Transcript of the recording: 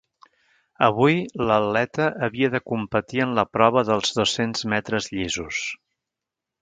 Avui, l’atleta havia de competir en la prova dels dos-cents metres llisos.